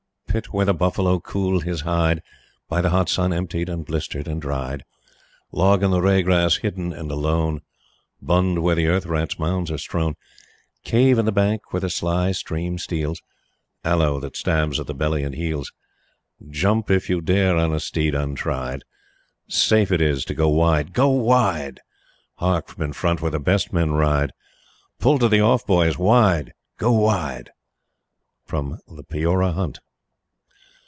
Pit where the buffalo cooled his hide, By the hot sun emptied, and blistered and dried; Log in the reh grass, hidden and alone; Bund where the earth rat's mounds are strown: Cave in the bank where the sly stream steals; Aloe that stabs at the belly and heels, Jump if you dare on a steed untried Safer it is to go wide go wide! Hark, from in front where the best men ride: "Pull to the off, boys! Wide! Go wide!" The Peora Hunt.